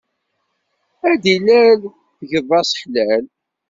Ar d-ilal, tgeḍ-as hlal.